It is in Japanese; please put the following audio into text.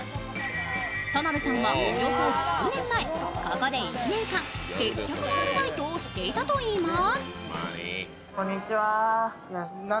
田辺さんはおよそ１０年前、ここで１年間、接客のアルバイトをしていたといいます。